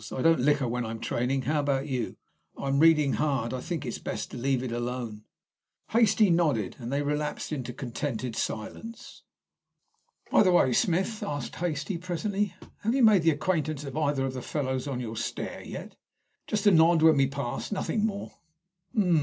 I don't liquor when I'm training. How about you?" "I'm reading hard. I think it best to leave it alone." Hastie nodded, and they relapsed into a contented silence. "By the way, Smith," asked Hastie, presently, "have you made the acquaintance of either of the fellows on your stair yet?" "Just a nod when we pass. Nothing more." "Hum!